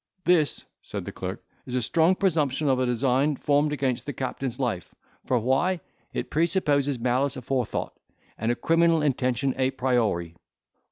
"This," said the clerk, "is a strong presumption of a design, formed against the captain's life. For why? It presupposes malice aforethought, and a criminal intention a priori."